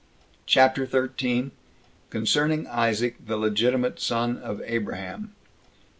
CHAPTER 13. Concerning Isaac The Legitimate Son Of Abraham.